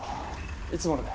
いつもので。